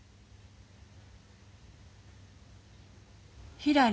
ひらり。